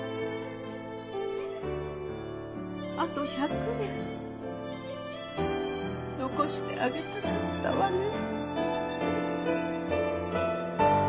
あと１００年残してあげたかったわね。